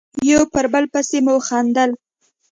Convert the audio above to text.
یو پر بل پسې مو خندل.